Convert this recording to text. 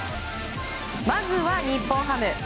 まずは、日本ハム。